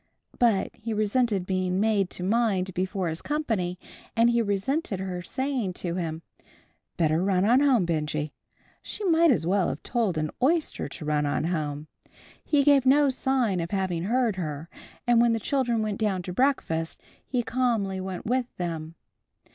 But he resented being made to mind before his company, and he resented her saying to him, "Better run on home, Benjy." She might as well have told an oyster to run on home. He gave no sign of having heard her, and when the children went down to breakfast, he calmly went with them.